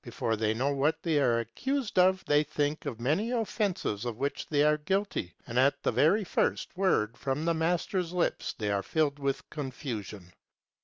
Before they know what they are accused of they think of many offences of which they are guilty, and at the very first word from the master's lips they are filled with confusion.